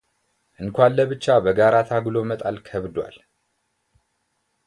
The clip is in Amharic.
እንኳን ለብቻ በጋራ ታግሎ መጣል ከብዷል።